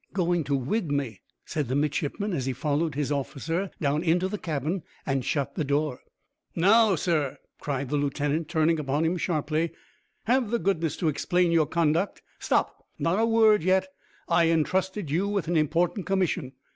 "Going to wig me," said the midshipman, as he followed his officer down into the cabin and shut the door. "Now, sir," cried the lieutenant, turning upon him sharply, "have the goodness to explain your conduct. Stop not a word yet. I entrusted you with an important commission.